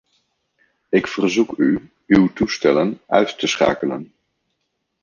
Ik verzoek u uw toestellen uit te schakelen.